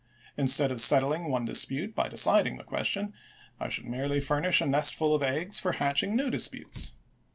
Instead of settling one dispute by deciding the question, I should merely furnish a nestful of eggs for hatching new disputes.